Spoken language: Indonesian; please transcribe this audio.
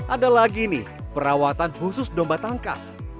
ada lagi nih perawatan khusus domba tangkas